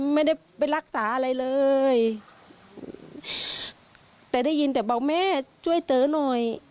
ไม่ได้ไปรักษาอะไรเลยแต่ได้ยินแต่บอกแม่ช่วยเต๋อหน่อย